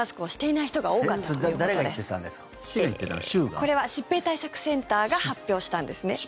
これは疾病対策センターが発表したんですね。